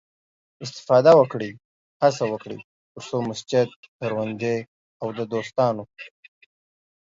استفاده وکړئ، هڅه وکړئ، تر څو مسجد، کروندې او د دوستانو